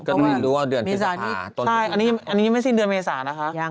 ก็รู้ว่าเดือนพฤษภาคต้นใช่อันนี้ไม่สิ้นเดือนเมษานะคะ